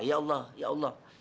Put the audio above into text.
ya allah ya allah